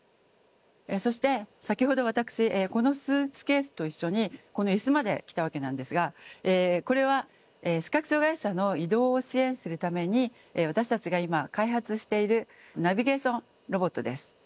そして先ほど私このスーツケースと一緒にこの椅子まで来たわけなんですがこれは視覚障害者の移動を支援するために私たちが今開発しているナビゲーションロボットです。